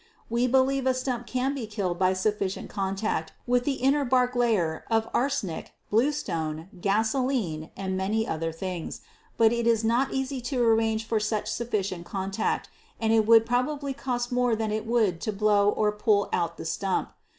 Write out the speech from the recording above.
We believe a stump can be killed by sufficient contact with the inner bark layer of arsenic, bluestone, gasoline, and many other things, but it is not easy to arrange for such sufficient contact, and it would probably cost more than it would to blow or pull out the stump.